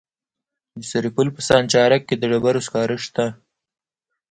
د سرپل په سانچارک کې د ډبرو سکاره شته.